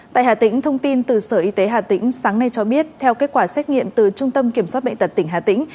tại hà tĩnh thông tin từ sở y tế hà tĩnh sáng nay cho biết theo kết quả xét nghiệm từ trung tâm kiểm soát bệnh tật tỉnh hà tĩnh